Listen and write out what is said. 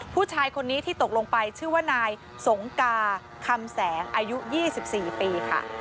ผู้ชายคนนี้ที่ตกลงไปชื่อว่านายสงกาคำแสงอายุ๒๔ปีค่ะ